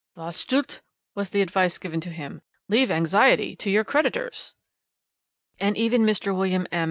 'Vah, stulte,' was the advice given to him, 'leave anxiety to your creditors!' and even Mr. William M.